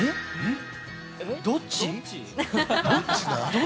どっち？